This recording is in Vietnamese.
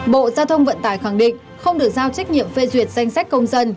bộ giao thông vận tải khẳng định không được giao trách nhiệm phê duyệt danh sách công dân